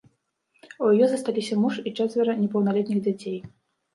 У яе засталіся муж і чацвёра непаўналетніх дзяцей.